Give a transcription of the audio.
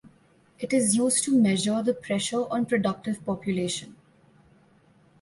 It is used to measure the pressure on productive population.